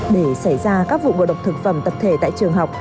để xảy ra các vụ ngộ độc thực phẩm tập thể tại trường học